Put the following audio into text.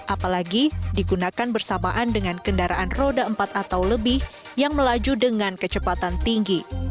apalagi digunakan bersamaan dengan kendaraan roda empat atau lebih yang melaju dengan kecepatan tinggi